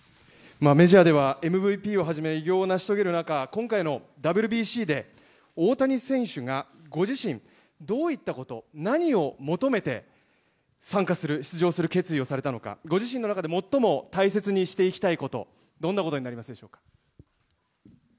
メジャーではＭＶＰをはじめ、偉業を成し遂げる中、今回のＷＢＣで、大谷選手がご自身、どういったこと、何を求めて参加する、出場する決意をされたのか、ご自身の中で最も大切にしていきたいこと、どんなことになりますでしょうか。